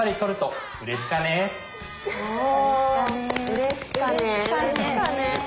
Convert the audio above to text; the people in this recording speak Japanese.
うれしかね。